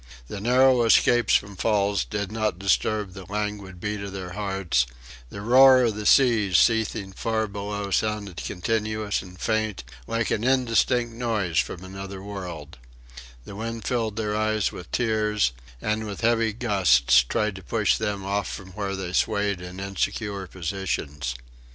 The narrow escapes from falls did not disturb the languid beat of their hearts; the roar of the seas seething far below them sounded continuous and faint like an indistinct noise from another world: the wind filled their eyes with tears, and with heavy gusts tried to push them off from where they swayed in insecure positions.